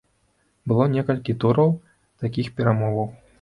Было некалькі тураў такіх перамоваў.